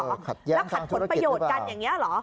แล้วขัดผลประโยชน์กันอย่างนี้เหรอ